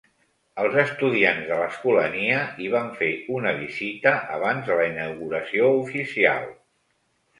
Els estudiants de l'Escolania hi van fer una visita abans de la inauguració oficial.